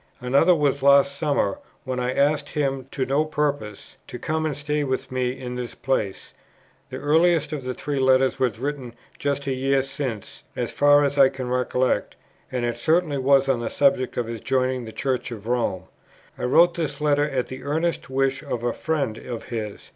Another was last summer, when I asked him (to no purpose) to come and stay with me in this place. The earliest of the three letters was written just a year since, as far as I recollect, and it certainly was on the subject of his joining the Church of Rome. I wrote this letter at the earnest wish of a friend of his.